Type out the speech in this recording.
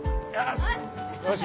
よし！